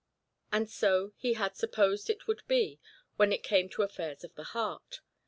And so he had supposed it would be when it came to affairs of the heart.